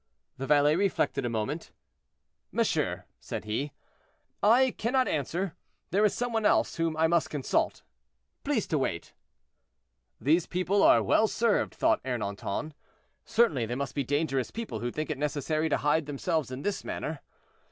The valet reflected a moment. "Monsieur," said he, "I cannot answer; there is some one else whom I must consult. Please to wait." "These people are well served," thought Ernanton. "Certainly, they must be dangerous people who think it necessary to hide themselves in this manner.